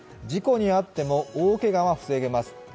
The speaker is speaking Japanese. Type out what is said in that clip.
事故に遭っても、大けがは防げます